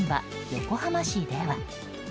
横浜市では。